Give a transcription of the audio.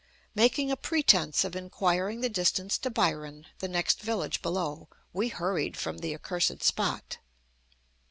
Making a pretense of inquiring the distance to Byron, the next village below, we hurried from the accursed spot.